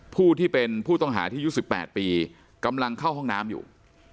ผู้ที่เป็นผู้ต้องหาที่ยุค๑๘ปีกำลังเข้าห้องน้ำอยู่